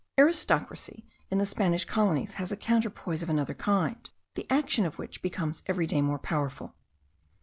Aristocracy in the Spanish colonies has a counterpoise of another kind, the action of which becomes every day more powerful.